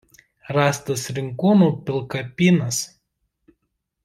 Rastas Rinkūnų pilkapynas.